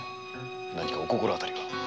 何かお心あたりは？